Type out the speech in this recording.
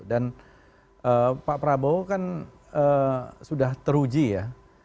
dan pak prabowo kan sudah teruji ya